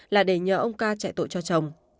là để nhờ ông ca chạy tội cho chồng